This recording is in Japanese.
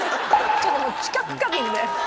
ちょっともう知覚過敏で。